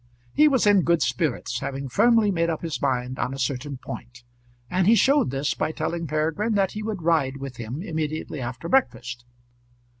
He was in good spirits, having firmly made up his mind on a certain point; and he showed this by telling Peregrine that he would ride with him immediately after breakfast.